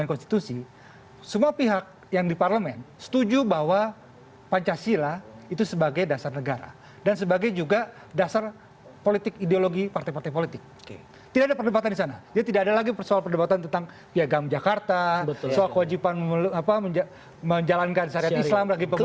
untuk kepentingan agama perjuangan agama dan lain sebagainya